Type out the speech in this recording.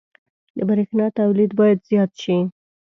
• د برېښنا تولید باید زیات شي.